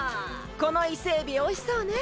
このイセエビおいしそうね！